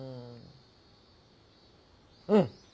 うん！